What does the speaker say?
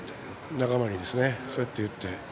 仲間に、そうやって言って。